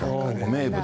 名物。